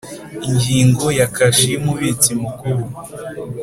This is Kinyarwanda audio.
Ingingo ya kashi y umubitsi mukuru